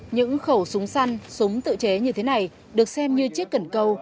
những khẩu súng săn súng tự chế như thế này được xem như chiếc cần câu